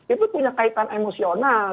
itu punya kaitan emosional